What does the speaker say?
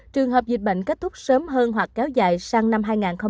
trường hợp dịch bệnh kết thúc sớm hơn hoặc kéo dài sang năm hai nghìn hai mươi